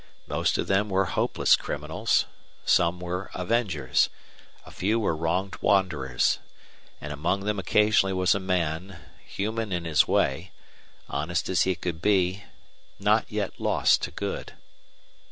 Most of them were hopeless criminals; some were avengers; a few were wronged wanderers; and among them occasionally was a man, human in his way, honest as he could be, not yet lost to good.